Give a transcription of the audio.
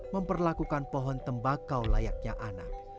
memperlakukan pohon tembakau layaknya anak